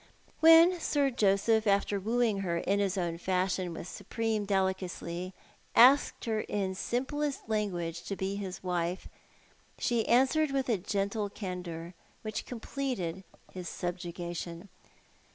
35 ^Tien Sir Joseph, after ^vooing her in his own fashion witli sj^preme dehcacy asked her in simplest language to be his ^fe she answered With a gentle candour whicli completed hi sib^ jugation.